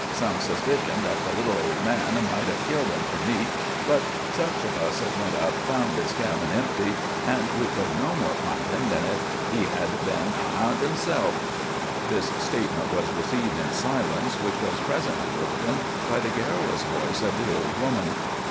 Some suspicioned that the little old man might 'a' killed 'em for meat, but such of us as went up found his cabin empty, an' we could no more find him than if he had been a harnt hisself." This statement was received in silence, which was presently broken by the garrulous voice of the old woman.